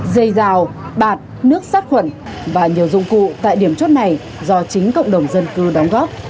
dây rào bạt nước sát khuẩn và nhiều dụng cụ tại điểm chốt này do chính cộng đồng dân cư đóng góp